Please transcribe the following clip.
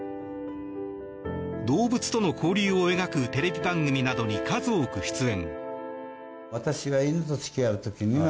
動物との交流を描くテレビ番組などに数多く出演。